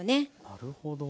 なるほど。